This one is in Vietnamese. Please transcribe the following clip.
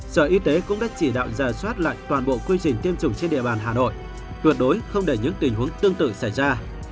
sở y tế cũng đã chỉ đạo giả soát lại toàn bộ quy trình tiêm chủng trên địa bàn hà nội tuyệt đối không để những tình huống tương tự xảy ra